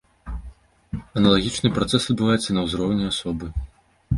Аналагічны працэс адбываецца і на ўзроўні асобы.